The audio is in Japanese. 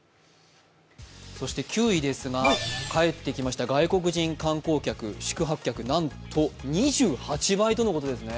９位ですが、帰ってきました外国人観光客、宿泊客なんと２８倍とのことですね。